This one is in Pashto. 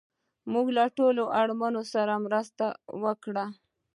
موږ له ټولو اړمنو سره مرسته وکړه